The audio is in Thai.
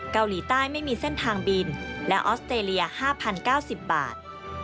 เกาหลีใต้ไม่มีเส้นทางบินและออสเตรเลีย๕๐๙๐บาท